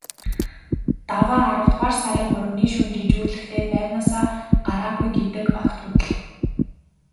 Даваа аравдугаар сарын гуравны шөнө жижүүрлэхдээ байрнаасаа гараагүй гэдэг огт худал.